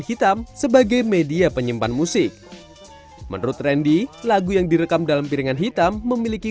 hitam sebagai media penyimpan musik menurut randy lagu yang direkam dalam piringan hitam memiliki